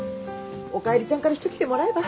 おかえりちゃんから一切れもらえば。